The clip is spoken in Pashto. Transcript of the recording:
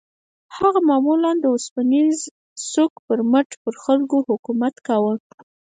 هغه معمولاً د اوسپنيز سوک پر مټ پر خلکو حکومت کاوه.